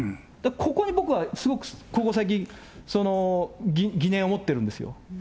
ここに僕はすごくここ最近、疑念を持っているんですよ。